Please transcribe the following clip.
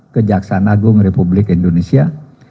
kejaksaan agung republik indonesia